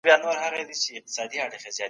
ما تېره شپه يو خوب ليدلی و.